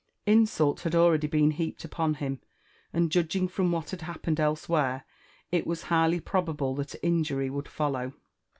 Insult had already been heaped upon him, aud judging from irlial had happened elsewhere, k was highly probairie that injury would follow.